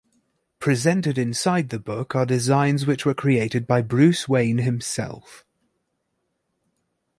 Presented inside the book are designs which were created by Bruce Wayne himself.